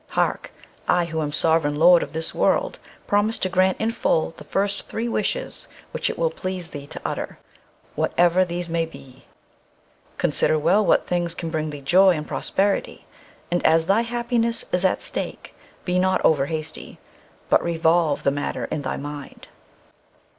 Hark! I, who am sovereign lord of this world, promise to grant in full the first three wishes which it will please thee to utter, whatever these may be. Consider well what things can bring thee joy and prosperity, and as thy happiness is at stake, be not over hasty, but revolve the matter in thy mind."